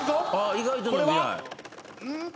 意外と伸びない。